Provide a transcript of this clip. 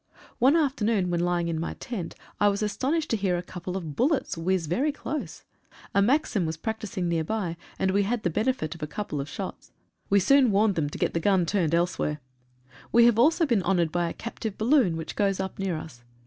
One afternoon when lying in my tent I was astonished to hear a couple of bullets whizz very close. A maxim was practising near by, and we had the benefit of a couple of shots. We soon warned them to get the gun turned elsewhere. We have also been honoured by a captive balloon which goes up near us.